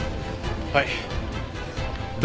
はい。